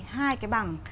hai cái bảng